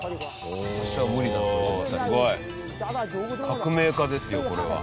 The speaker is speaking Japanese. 革命家ですよこれは。